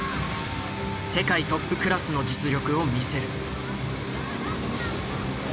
世界トップクラスの実力を見せる。